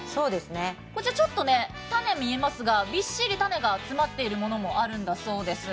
こちら、ちょっと種が見えますが、びっしり種が詰まっているものもあるそうです